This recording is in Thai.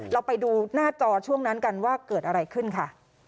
เราไปดูหน้าจอช่วงนั้นกันว่าเกิดอะไรขึ้นค่ะ